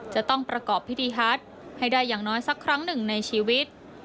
จะต้องประกอบพิธีฮัทให้ได้อย่างน้อยสักครั้งหนึ่งในชีวิต